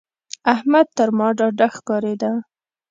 احمد تر ما ډاډه ښکارېده.